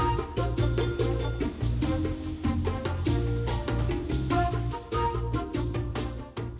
tidak apa apa ini enak banget